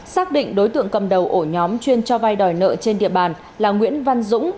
xác định đối tượng cầm đầu ổ nhóm chuyên cho vay đòi nợ trên địa bàn là nguyễn văn dũng